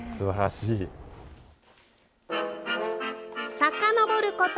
さかのぼること